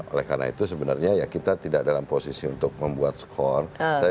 oleh karena itu sebenarnya ya kita tidak dalam posisi untuk membuat skor